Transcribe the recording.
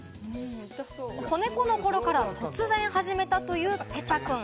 子猫の頃から突然始めたというペチャくん。